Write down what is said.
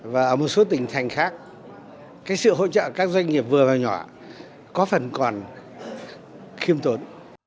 và ở một số tỉnh thành khác sự hỗ trợ các doanh nghiệp vừa và nhỏ có phần còn khiêm tốn